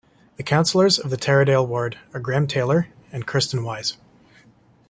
The councillors of the Taradale ward are Graeme Taylor and Kirsten Wise.